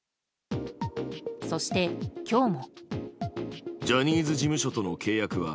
そして、今日も。